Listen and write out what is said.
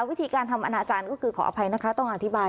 วิธีการทำอนาจารย์ก็คือขออภัยนะคะต้องอธิบาย